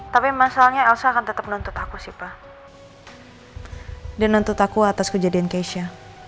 tapi masalahnya elsa akan tetap nuntut aku sih pak dan nuntut aku atas kejadian keisha